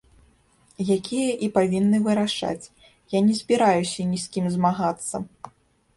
Якія і павінны вырашаць, я не збіраюся ні з кім змагацца.